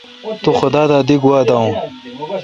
تو خدا دا دی گوا داوین۔